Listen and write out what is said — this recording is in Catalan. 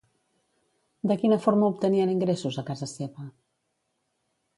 De quina forma obtenien ingressos a casa seva?